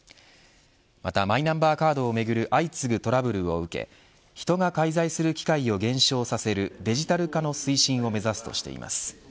またマイナンバーカードをめぐる相次ぐトラブルを受け人が介在する機会を減少させるデジタル化の推進を目指すとしています。